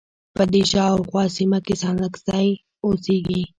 په دې شا او خواه سیمه کې ستانکزی اوسیږی.